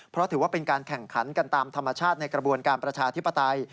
เพราะถือว่าเป็นการแข่งขันกันตามธรรมชาติในกระบวนการประชาธิปไตย